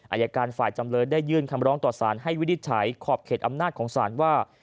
อายการฝ่ายจำเลยได้ยื่นคำร้องต่อสารให้วินิจฉัยขอบเขตอำนาจของศาลว่า